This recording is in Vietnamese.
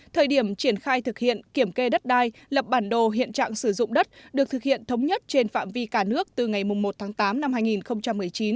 thời điểm triển khai thực hiện kiểm kê đất đai lập bản đồ hiện trạng sử dụng đất được thực hiện thống nhất trên phạm vi cả nước từ ngày một tháng tám năm hai nghìn một mươi chín